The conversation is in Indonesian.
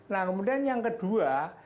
nah kemudian yang kedua